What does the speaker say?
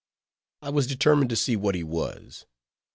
I was determined to see what he was.